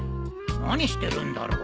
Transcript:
何してるんだろう。